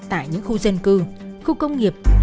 tại những khu dân cư khu công nghiệp